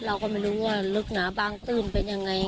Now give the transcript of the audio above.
เราก็ไม่รู้ว่าลึกหนาบางตื้มเป็นยังไง